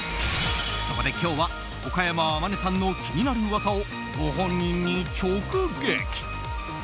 そこで今日は岡山天音さんの気になる噂をご本人に直撃。